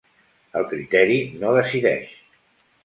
El criteri no decideix.